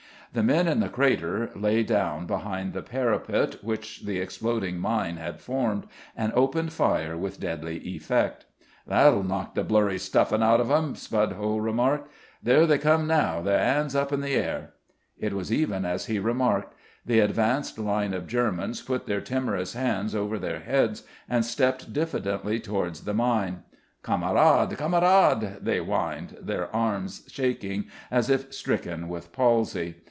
The men in the crater lay down behind the parapet which the exploding mine had formed and opened fire with deadly effect. "That'll knock the blurry stuffin' out o' them," Spudhole remarked. "There they come now, their 'ands up in the air." It was even as he remarked. The advanced line of Germans put their timorous hands over their heads and stepped diffidently towards the mine. "Kamerad! Kamerad!" they whined, their arms shaking as if stricken with palsy.